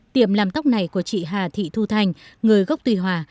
tiệm làm tóc này của chị hà thị thu thanh người gốc tùy hòa